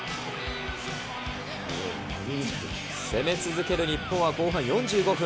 攻め続ける日本は後半４５分。